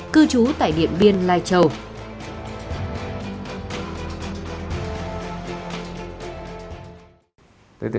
cư trú tại điện biên lai châu